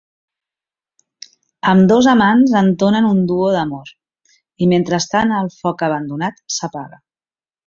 Ambdós amants entonen un duo d'amor, i mentrestant el foc abandonat s'apaga.